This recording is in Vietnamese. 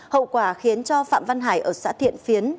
hậu quả khiến cho phạm văn hải ở xã thiện phiến